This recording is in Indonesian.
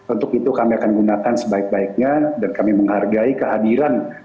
untuk itu kami akan gunakan sebaik baiknya dan kami menghargai kehadiran